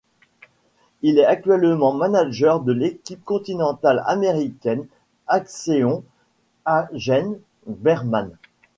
Il est actuellement manager de l'équipe continentale américaine Axeon-Hagens Berman.